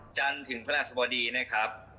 จันถึงพระนักสบดีนะครับ